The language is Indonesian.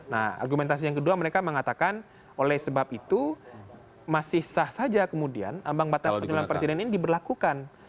nah argumentasi yang kedua mereka mengatakan oleh sebab itu masih sah saja kemudian ambang batas penyuluhan presiden ini diberlakukan